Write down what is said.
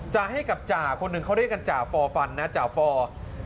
จะให้กับจ่าคนหนึ่งเขาเรียกกันจ่าฟอร์ฟันนะจ่าฟอร์